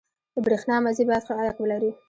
• د برېښنا مزي باید ښه عایق ولري.